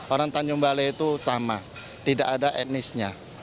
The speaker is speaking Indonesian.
orang tanjung balai itu sama tidak ada etnisnya